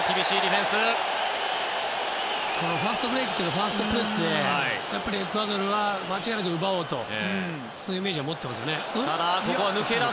ファーストブレークというか、ファーストプレスでやっぱりエクアドルは間違いなく奪おうというイメージは持っていますね。